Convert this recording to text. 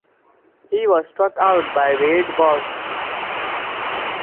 He was struck out by Wade Boggs.